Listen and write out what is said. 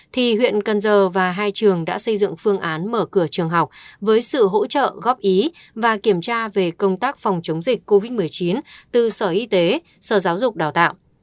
thì huyện cần giờ và hai trường đã xây dựng phương án mở cửa trường học với sự hỗ trợ góp ý và kiểm tra về công tác phòng chống dịch covid một mươi chín từ sở y tế sở giáo dục đào tạo